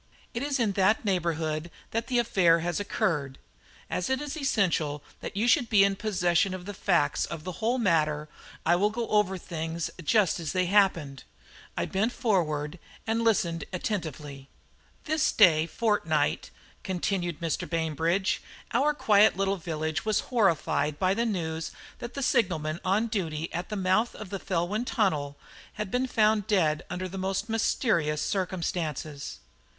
It is in that neighbourhood that the affair has occurred. As it is essential that you should be in possession of the facts of the whole matter, I will go over things just as they happened." I bent forward and listened attentively. "This day fortnight," continued Mr. Bainbridge, "our quiet little village was horrified by the news that the signalman on duty at the mouth of the Felwyn Tunnel had been found dead under the most mysterious circumstances.